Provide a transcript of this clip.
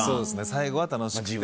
最後は楽しくて。